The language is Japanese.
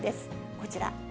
こちら。